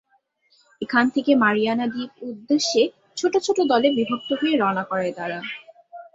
এখান থেকে মারিয়ানা দ্বীপ উদ্দেশ্যে ছোট ছোট দলে বিভক্ত হয়ে রওনা করে তারা।